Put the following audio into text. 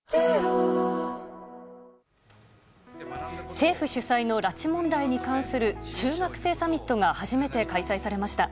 政府主催の、拉致問題に関する中学生サミットが初めて開催されました。